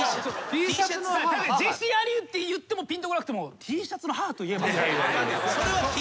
ジェシー・アリュって言ってもぴんとこなくてもＴシャツの母といえば。